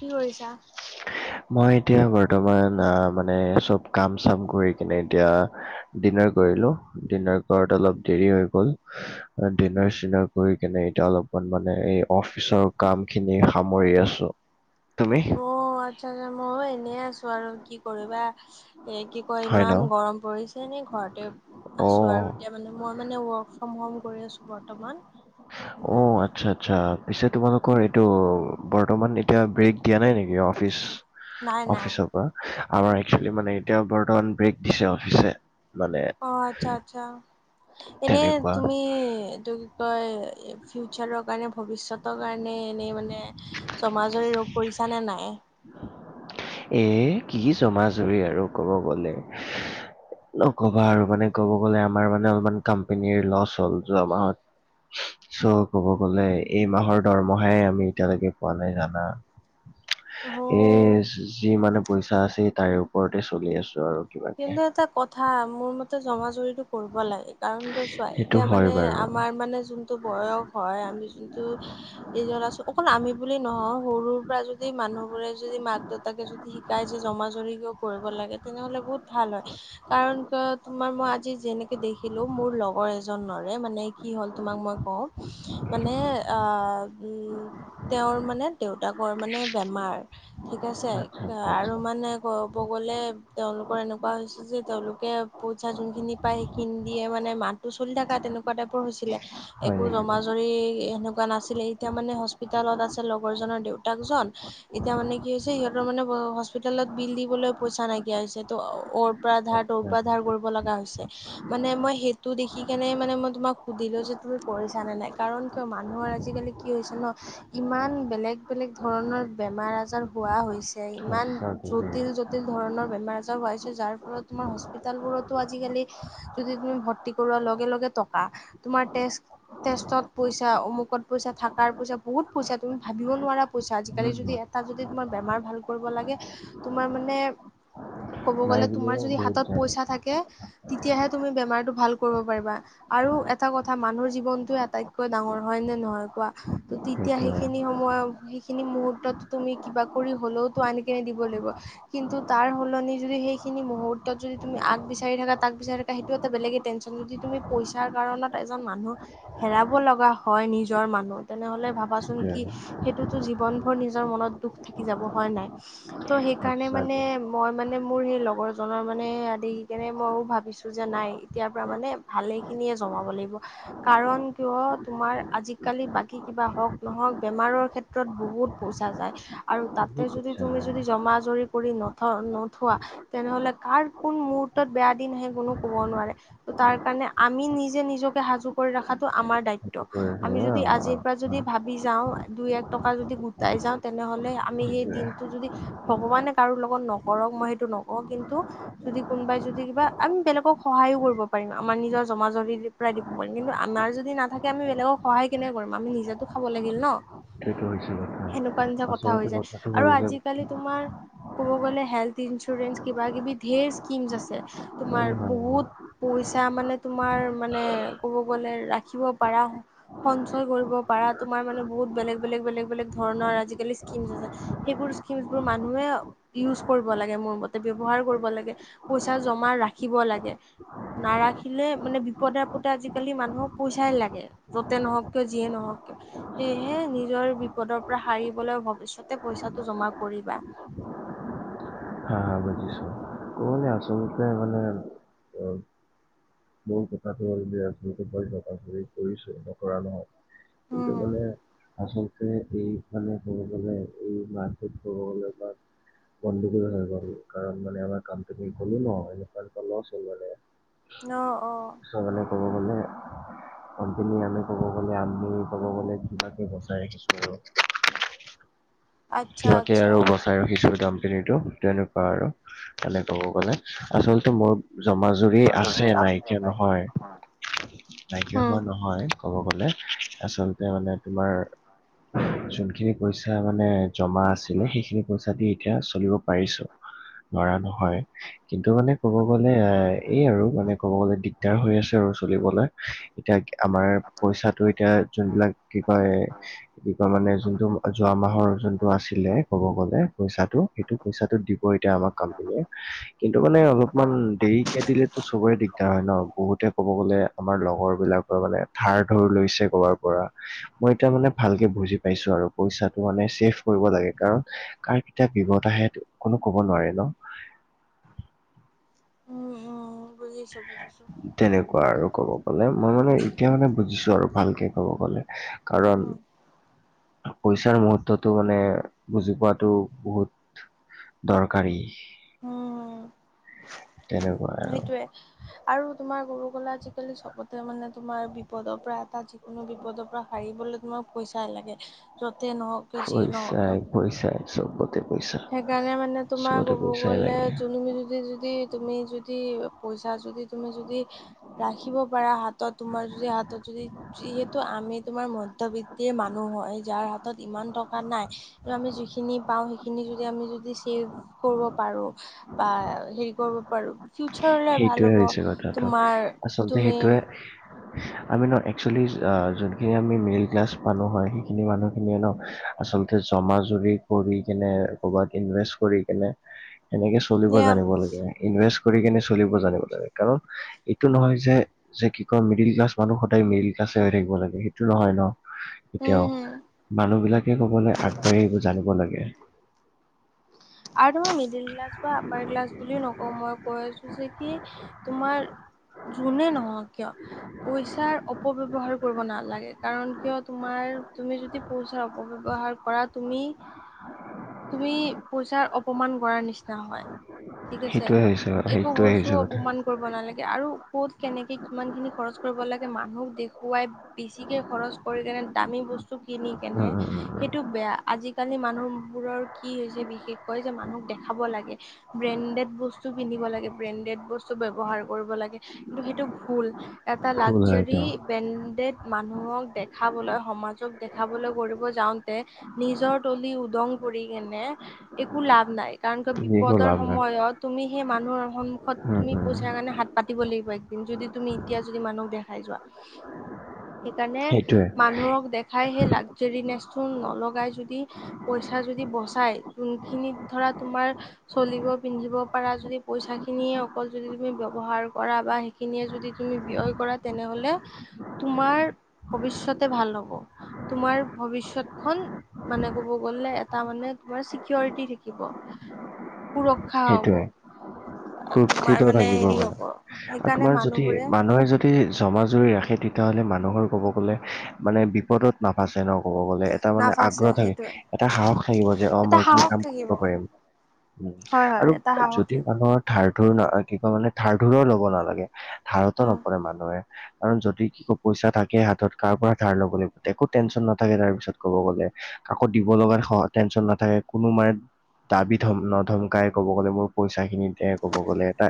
কি কৰিছা? মই এতিয়া বৰ্তমান আহ মানে চব কাম চাম কৰি কিনে এতিয়া ডিনাৰ কৰিলো, ডিনাৰ কৰাত অলপ দেৰি হৈ গ'ল। ডিনাৰ চিনাৰ কৰি কেনে এতিয়া অলপমান মানে এই অফিচৰ কামখিনি সামৰি আছো। তুমি? অ আচ্ছা আচ্ছা মইয়ো এনে আছো আৰু কি কৰিবা। এ কি কয় হয় ন ইমান গৰম পৰিছে নে ঘৰতে অ আছো আৰু। এতিয়া মানে মই মানে ৱৰ্ক ফ্ৰম হোম কৰি আছো বৰ্তমান। অ সেইকাৰণে আত্চ্ছাত চ্ছা পিছে তোমালোকৰ এইটো বৰ্তমান এতিয়া ব্ৰেক দিয়া নাই নেকি অফিচ? নাই নাই অফিচৰ পৰা আমাৰ একচুৱেলি মানে এতিয়া বৰ্তমান ব্ৰেক দিছে অফিচে। মানে অ আত্চ্ছা আত্চ্ছা এনে তেনেকুৱা তুমি এইটো কয় ফিউচাৰৰ কাৰণে ভ- ভৱিষ্যতৰ কাৰণে এনেই মানে জমাজৰি ৰ কৰিছা নে নাই? এ কি জমাজৰি আৰু ক'ব গ'লে নক'বা আৰু মানে ক'ব গ'লে আমাৰ মানে অলপমান কোম্পনীৰ লছ হ'ল যোৱা মাহত। চ ক'ব গ'লেই এই মাহৰ দৰমহাই আমি এতিয়ালৈকে পোৱা নাই জানা। অ', এজ যি মানে পইচা আছে তাৰে ওপৰতে চলি আছো আৰু। কিবাকে। কিন্তু এটা কথা মোৰ মতে জমা জুৰিটো কৰিব লাগে কাৰণ এটা চোৱা এইট- সেইটো এতিয়া হয় মানে বাৰু। আমাৰ মানে যোনটো বয়স হয় আমি যোনটো এইজৰাছো অকল আমি বুলি নহয় সৰুৰ পৰা যদি মানুহ বোৰে যদি মাক-দেউত- তাকে যদি শিকাই যে জমাজৰি কিয় কৰিব লাগে তেনেহ'লে বহুত ভাল হয়। কাৰণ কিয় তোমাৰ মই আজি যেনেকে দেখিলো মোৰ লগৰ এজনৰে মানে কি হ'ল তোমাক মই কওঁ মানে তেওঁৰ মানে দেউতাকৰ মানে বেমাৰ ঠিক আছে আচ্ছা আচ্ছা আৰু আচ্ছা মানে ব গ'লে তেওঁলোক এনেকুৱা হৈছে যে তেওঁলোকে পইচা যোনখিনি পায় সেইখিনি দি মানে মাহটো চলি থাকা তেনেকুৱা টাইপ- পৰ হৈছিলে হয় একো নেকি? জমা জৰি এনুক কুৱা নাছিলে এতিয়া মানে হস্পিতালত আছে লগৰজনৰ দেউতাকজন এতিয়া মানে কি হৈছে সিহঁতৰ মানে হস্পিতালত বিল দিবলৈ পইচা নাইকিয়া হৈছে। ত অৰ পৰা ধাৰ তৰ আচ্ছা পৰা ধাৰ কৰিব লগা হৈছে। মানে মই সেইটো দেখি কেনে মানে মই তোমাক সুধিলো যে তুমি কৰিছা নে নাই? কাৰণ কিয় মানুহৰ আজিকালি কি হৈছে ন, ইমান বেলেগ বেলেগ ধৰণৰ বেমাৰ আজাৰ হোৱা হৈছে। ইমান সঁচাকে দেই। জটিল জটিল ধৰণৰ বেমাৰ যাৰ ফলত তোমাৰ হস্পিতেলবোৰতো আজিকালি যদি তুমি ভৰ্তি কৰোৱাৰ লগে লগে টকা, তোমাৰ তেজ - তেষ্টত পইচা, অমুকত পইচা, থকাৰ পইছা, বহুত পইচা তুমি ভাবিব নোৱাৰা পইছা উম, আজিকালি যদি ইয়া- তাত যদি তোমাৰ বেমাৰ ভাল কৰিব লাগে, তোমাৰ মানে- ক'ব নাই গ'লে তোমাৰ বুলিও যদি বহুত হাতত যায় পইচা থাকে, তেতিয়াহে তুমি বেমাৰটো ভাল কৰিব পাৰিবা। আৰু এটা কথা মানুহৰ জীৱনটোে আটাইতকৈ ডাঙৰ হয় নে নহয় কোৱা? ত তেতিয়া সেইটোৱে সেইখিনি সময় সেইখিনি মুহুৰ্তত তুমি কিবা কৰি হলেও তো আনি কেনে দিব লাগিব। কিন্তু তাৰ সলনি, যদি সেইখিনি মুহুৰ্ত যদি তুমি আগ বিচাৰি থাকা, তাক বিচাৰ থাকা, সেইটো এটা বেলেগে টেনচন যদি তুমি- পইচাৰ কাৰণত এজন মানুহ হেৰাব লগা হয় নিজৰ মানুহ তেনেহলে ভাবা চোন কি সেইটোৱে সেইটোতো জীৱন ভোৰ নিজৰ মনত দুখ থাকি যাব হয় নে নাই? ত' সেইকাৰণে মানে, সঁচাকে। মই মানে মোৰ সেই লগৰজনৰ মানে আদি কেনে মইও ভাবিছোঁ যে নাই এতিয়াৰ পৰা মানে, ভালে খিনিয়ে জমাব লাগিব। কাৰণ কিয় তোমাৰ আজিকালি বাকী কিবা হওঁক নহওক বেমাৰৰ ক্ষেত্ৰত বহুত পইচা যায়। আৰু বহুত তাতে যদি পইচা তুমি যায় যদি জমা জৰি কৰি নথ- নোথোৱা, তেনেহলে কাৰ কোন মুহুৰ্তত বেয়া দিন আহে কোনো ক'ব নোৱাৰে। ত তাৰ কাৰণে আমি নিজে নিজকে সাজু কৰি ৰখাতটো আমাৰ সেইটো দায়িত্ব। কৈ আছে আমি অ' যদি অ' আজিৰ পৰা যদি অ' ভাবি যাওঁ, দুই এক টকা যদি গোটাই যাওঁ তেনেহ'লে আমি সেই সেইটোৱে। দিন- যদি ভগৱানে কাৰো লগত নকৰক মই সেইটো নকওঁ কিন্তু, যদি কোনোবাই যদি কিবা আমি বেলেগক সহায়‌ও কৰিব পাৰিম আমাৰ নিজৰ জমা জৰি, ই দিব পাৰিম। কিন্তু আমাৰ যদি নাথাকে আমি বেলেগক সহায় কেনেক কৰিম আমি নিজেতো খাব লাগিল ন। সেইটো হৈছে কথা। সেনেকুৱা নিচা কথা আচলতে হৈ যায়। কথাটো হ'ল আৰু যে আজিকালি তোমাৰ ক'ব গলে হেল্থ- ইঞ্চুৰেঞ্চ কিবা কিবি ধেৰ স্কিমছ আছে, হয় তোমাৰ হয় হা বহুত- পইচা মানে তোমাৰ মানে ক'ব গলে ৰাখিব পাৰা- সঞ্চয় কৰিব পাৰা তোমাৰ মানে বহুত বেলেগ বেলেগ বেলেগ বেলেগ ধৰণৰ আজিকালি স্কিম আছে। সেইবোৰ স্কিমবোৰ মানুহে ইয়োজ কৰি- লাগে মোৰ মতে, ব্যৱহাৰ কৰিব লাগে, পইচা জমা ৰাখিব লাগে। নাৰাখিলে মানে বিপদে আপদে আজিকালি মানুহক পইচাই লাগে। য'তে নহওক কিয়, যিয়ে নহওক কিয়। সেয়েহে নিজৰ বিপদৰ পৰা সাৰিবলৈ ভৱিষ্যতে পইচাটো জমা কৰিবা। হা হা বুজিছো। মানে আচলতে মানে, মোৰ কথাটো হ'ল যে আচলো ভয় থক আচ কৰিছে নকৰা নহয় [unintelligible] কিন্ত মানে আচলতে এই, মানে কব গলে এই মাহটোত কব গলে বা, গন্দগুল হৈ গ'ল। কাৰণ মানে আমাৰ কোম্পানী গ'লো ন, এনেকুৱা এনে লছ হ'ল হ'লে। ন অ। চাবলে ক'ব গ'লে, কম্পানী আমি কব গলে আমি কব গলে কিবাকে বচাই ৰাখিছো আৰু। আচ্ছা কিবাকে আচ্ছা আৰু বচাই- ৰাখিছো কোম্পানীটো তেনেকুৱা আৰু। তেনে কব গ'লে, আচলতে মোৰ জমা জুৰি আছে নাইকিয়া নহয়। ভাগ্য উম হোৱা নহয় ক'ব গ'লে, আচলতে মানে, তোমাৰ যোনখিনি পইচা মানে, জমা আছিলে। সেইখিনি, পইচাকে এতিয়া, চলিব পাৰিছোঁ, ধৰা নহয়। কিন্তু মানে, ক'ব গ'লে, এই আৰু মানে, ক'ব গ'লে, দিগদাৰ হৈ আছে আৰু চলিবলৈ। এতিয়া, আমাৰ পইচাটো এতিয়া, যোনবিলাক কি কয়, [unintelligible] মানে, যোনটো যোৱা মাহৰ, যোন টো আছিলে, ক'ব গ'লে পইচাটো। সেইটো, পইচাটোত দিব এতিয়া আমাক কোম্পেনীয়ে। কিন্তু মানে, অলপমান দেৰিকে দিলে চবৰে দিগদাৰ হয় ন'! বহুতে ক'ব গ'লে, আমাৰ লগৰ বিলাকৰ মানে, ধাৰ-ধৰ লৈছে কৰবাৰ পৰা। মই এতিয়া মানে, ভালকে বুজি পাইছো আৰু পইচাটো মানে, চেভ কৰিব লাগে। কাৰণ, কাৰ কেতিয়া, বিপদ আহে, কোনো ক'ব নোৱাৰি ন'। বুজিছোঁ, বুজিছোঁ। তেনেকুৱা আৰু ক'ব গ'লে। মই মানে, এতিয়া মানে, বুজিছোঁ আৰু ভালকৈ ক'ব গ'লে। কাৰণ, উম পইচাৰ মুহুৰ্ততো মানে, বুজি পোৱাটো বহুত দৰকাৰী। উম! তেনেকুৱা আৰু। সেইটোৱে! আৰু তোমাৰ ক'ব গ'লে, আজিকালি চবতে মানে, তোমাৰ বিপদৰ পৰা এটা কোনো বিপদৰ পৰা সাৰিবলৈ, তোমাৰ পইচা লাগে, য'তে নহওঁক। পইচাই, পইচাই, চবতে পইচা। সেইকাৰণে মানে, তোমাৰ চবতে ক'ব পইচাই গ'লে, লাগে। [unintelligible] যদি যদি, তুমি যদি, পইচা যদি তুমি যদি, [unintelligible] ৰাখিব পাৰা হাতত, তোমাৰ যদি হাতত যদি যিহেতু, আমি তোমাৰ মধ্যবিত্তিৰে মানুহ হয়, যাৰ হাতত ইমান টকা নাই। [unintelligible] আমি যিখিনি পাওঁ, সেইখিনি যদি, আমি যদি, চেভ কৰিব পাৰোঁ বা হেৰি কৰিব পাৰোঁ। ফিউচাৰ ভাল সেইটোৱে হ'ব! হৈছে কথাটো। তোমাৰ, আচলতে তুমি সেইটোৱে আমি, ন' একচুৱেলি, যোনখিনি আমি, মিডল ক্লাছ মানুহ হয়, সেইখিনি মানুহখিনিয়ে, ন' আচলতে, জমা যদি কৰি কেনে, কৰ'ৰবাত ইনভেষ্ট কৰি কেনে, সনেকে চলিব এয়া জানিব লাগে, ইনভেষ্ট কৰি কিনে চলিব জানিব লাগে। কাৰণ, এইটো নহয় যে, যে কি কয়, মিডল ক্লাছ মানুহ, সদায় মিডিল ক্লাছে হৈ থাকিব লাগে, সেইটো নহয় ন'। এতিয়াও, উম, মানুহ বিলাকে ক'বলে, আগবাঢ়ি জানিব লাগে। আৰু মিডল ক্লাছ বা আপাৰ ক্লাছ বুলি নকওঁ, মই কৈ আছোঁ যে, কি তোমাৰ, যোনে নহওঁক কিয়, পইচাৰ অপব্যৱহাৰ কৰিব নালাগে। কাৰণ, কিয় তোমাৰ, তুমি যদি পইচাৰ অপব্যৱহাৰ কৰা, তুমি [unintelligible] তুমি, পইচাৰ অপমান কৰাৰ নিচিনা হয়। ঠিক আছে! সেইটোৱে হৈছে একো সেইটোৱে বস্তু হৈছে কথা অপমান কৰিব নালাগে। আৰু ক'ত, কেনেকে, কিমানখিনি খৰচ কৰিব লাগে, মানুহক দেখুৱাই বেছিকে খৰচ কৰি কেনে, দামী বস্তু কিনি কেনে, উম উম উম উম সেইটো বেয়া! আজিকালি, মানুহবোৰৰ কি হৈছে, বি কয় যে, মানুহক দেখাব লাগে। ব্ৰেণ্ডেড বস্তু পিন্ধিব লাগে, ব্ৰেণ্ডেড বস্তু ব্যৱহাৰ কৰিব লাগে। কিন্তু সেইটো ভুল এটা ভুল হয় লাকজাৰী এইটো ব্ৰেণ্ডেড মানুহক দেখাবলৈ সমাজক দেখাবলৈ কৰিব যাওঁতে নিজৰ তলি উদং কৰি কেনে একো লাভ নাই কাৰণ ক যি একো বিপদৰ লাভ নাই সময়ত তুমি সেই মানুহৰ সন্মুখত উম তুমি উম পইচাৰ কাৰণে হাত পাতিব লাগিব একদিন যদি তুমি তেতিয়া যদি মানুহ দেখাই যোৱা [unintelligible] সেইকাৰণে সেইটোৱে মানুহক দেখ খাই সেই লাকজেৰি নেছটো নলগাই যদি পইচা যদি বচায় যোনখিনিত ধৰা তোমাৰ চলিব পিন্ধিব পাৰা যদি পইচা খিনিয়ে অকল যদি তুমি ব্যৱহাৰ কৰা বা সেই সে খিনিয়ে যদি তুমি ব্যয় কৰা তেনেহলে তোমাৰ ভৱিষ্যয়তে ভাল হ'ব তোমাৰ ভৱিষ্যত খন মানে ক'ব গ'লে এটা মানে তোমাৰ কিয়ৰিটি থাকিব সুৰক্ষা হ'ব সেইটোৱে তোমাৰ সুৰক্ষিত মানে থাকিব হেৰি মানে হ'ব আৰু সেইকাৰণে তোমাৰ যদি মানুহবোৰে মানুহে যদি যদি জমা জুৰি ৰাখে তেতিয়াহ'লে মানুহৰ ক'ব গ'লে মানে বিপদত নাবা চে ন ক'ব গ'লে এটা মানে নাফাচে আগ্ৰহ থাকে সেইটোৱে এটা সাহস থাগিব যে অ এটা মই এইখিনি সাহস কাম থাকিব কৰিব পাৰিম উম হয় হয় আৰু এটা সাহস যদি থাকিব মানুহৰ ধাৰ ধুৰ কি কয় মানে ধাৰ ধুৰো ল'ব নালাগে ধাৰতো উম নপৰে মানুহে কাৰণ যদি কো পইচা থাকে হাতত কাৰ পৰা ধাৰ ল'ব লাগিব একো টেনশ্যন নাথাকে তাৰ পিছত ক'ব গ'লে কাকো দিব লগা টেনশ্যন নাথাকে কোনো মাৰে দাবী ধম নধমকাই ক'ব গ'লে মোৰ পইচাখিনি দে ক'ব গ'লে এটা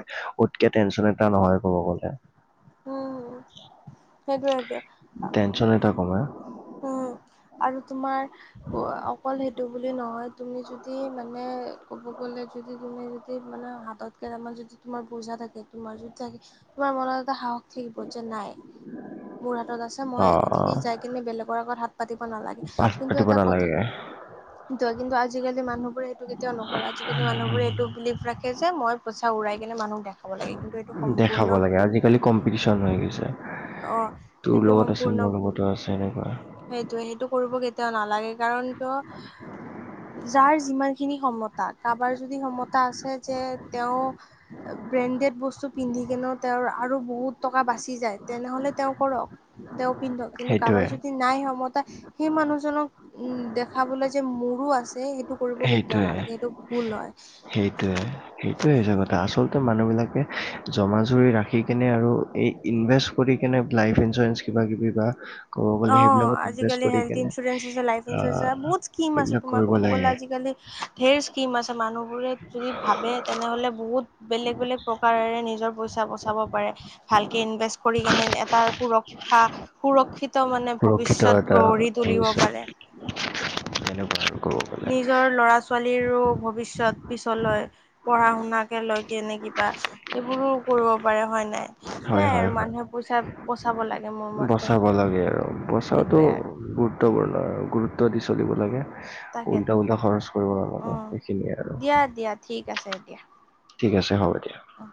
উতকে টেনশ্যন এটা নহয় ক'ব গ'লে হম হ সেইটোৱে সেইটোৱে টেনশ্যন এটা কমে উম আৰু তোমাৰ অকল সেইটো বুলি নহয় তুমি যদি মানে ক'ব গ'লে যদি তুমি যদি মানে হাতত কেইটামান যদি তোমাৰ পইছা থাকে তোমাৰ যদি থাকে তোমাৰ মন এটা সাহস থাকিব যে নাই মোৰ হাতত আছে অ অ, মই এটলিষ্ট যাই কিনে বেলেগৰ আগত হাত পাতিব নালাগে পাঠ কিন্তু পাতিব এটা কথা [unintelligible] কিন্তু আজিকালি মানুহবোৰে এইেইটো কেতিয়াও নকৰে আজিকালি মানুহবোৰে এইটো বিলিভ ৰাখে যে মই পইছা উৰাই কেনে মানুহক দেখাব লাগে কিন্তু এইটো দেখাব সম্পূৰ্ণ লাগে ভুল আজিকালি কম্পিটিশ্যন হৈ গৈছে অ তোৰ সেইটো লগত আছে মোৰ লগতো আছে এনেকুৱা সেইটোয়ে সেইটো কৰিব কেতিয়াও নালাগে কাৰণ ত যাৰ যিমান খিনি ক্ষমতা কাবাৰ যদি ক্ষমতা আছে যে তেওঁ ব্ৰেণ্ডেড বস্তু পিন্ধিকেনে তেওঁৰ আৰু বহুত টকা বাচি যায় তেনেহ'লে তেওঁ কৰক তেওঁ পিন্ধ কিন্তু সেইটোৱে কাৰোবাৰ যদি নাই ক্ষমতা সেই মানুহজনক উম দেখাবলৈ যে মোৰো আছে টো কৰিব কেতিয়াও সেইটোৱে নালাগে সেইটো ভুল হয় সেইটোৱে সেইটোৱে হৈছে কথা আচলতে মানুহবিলাকে জমা জুৰি ৰাখিকিনে আৰু এই ইনভেষ্ট কৰি কেনে লাইফ ইঞ্চুৰেঞ্চ কিবা কিবি বা ক'ব গ'লে অ সেইবিলাকত ইনভেষ্ট আজিকালি কৰি হেল্থ কেনে ইঞ্চুৰেঞ্চ আছে লাইফ ইঞ্চুৰেঞ্চ আছে আহ বহুত স্কিম আছে এইবিলাক তোমাৰ কৰিব ক'ব গ'লে লাগে আজি আজিকালি ধেৰ স্কিম আছে মানুহবোৰে যদি ভাবে তেনেহলে বহুত বেলেগ বেলেগ প্ৰকাৰেৰে নিজৰ পইচা বচাব পাৰে ভালকে ইনভেষ্ট কৰি কেনে এটা সুৰক্ষা সুৰক্ষিত মানে সুৰক্ষিত ভৱিষ্যত এটা গঢ়ি তুলিব ভৱিষ্যত পাৰে [unintelligible] নিজৰ ল'ৰা ছোৱালীৰো ভৱিষ্যত পিছলৈ পঢ়া শুনাক লৈ কেনে কিবা এইবোৰো কৰিব পাৰে হয় নাই হয় চাই হয় আৰু হয় মানুহে পইচা বচাব লাগে মোৰ মতে বচাব লাগে আৰু বচাটো সেইটোৱে আৰু গুৰুত্বপূৰ্ণ আৰু গুৰুত্ব দি চলিব লাগে উল্টা তাকেতো। উল্টা খৰচ কৰিব অ নালাগে সেইখিনিয়ে আৰু দিয়া দিয়া ঠিক আছে এতিয়া ঠিক আছে হব দিয়ক অ